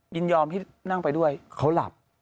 ยินยอมให้นั่งไปด้วยเขาหลับ